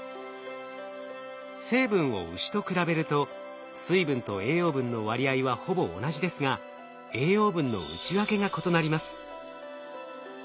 成分をウシと比べると水分と栄養分の割合はほぼ同じですが栄養分の内訳が異なります。